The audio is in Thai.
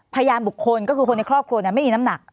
พยานบุคคลก็คือคนในครอบครัวไม่มีน้ำหนัก